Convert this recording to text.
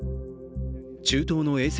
中東の衛星